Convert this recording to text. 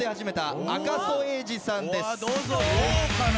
どうかな？